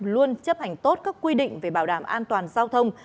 luôn chấp hành tốt các quy định về bảo đảm an toàn giao thông